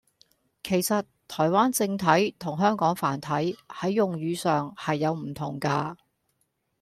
其實「台灣正體」同「香港繁體」係用語上係有唔同架